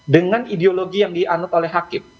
dengan ideologi yang dianut oleh hakim